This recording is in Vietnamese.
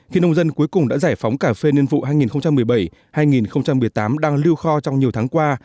khi nông dân cuối cùng đã giải phóng cà phê niên vụ hai nghìn một mươi bảy hai nghìn một mươi tám đang lưu kho trong nhiều tháng qua